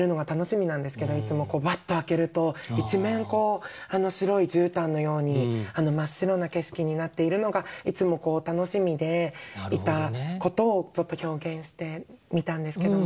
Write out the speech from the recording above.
バッと開けると一面白い絨毯のように真っ白な景色になっているのがいつも楽しみでいたことをちょっと表現してみたんですけども。